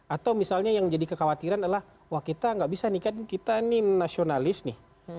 atau misalnya yang jadi kekhawatiran adalah wah kita nggak bisa nih kan kita ini nasionalis nih